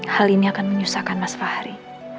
hal ini akan menyusahkan mas fahri